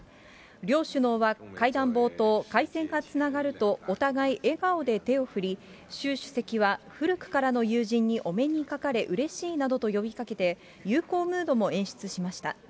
両首脳は会談冒頭、回線がつながると、お互い笑顔で手を振り、習主席は古くからの友人にお目にかかれうれしいなどと呼びかけて、友好ムードも演出しました。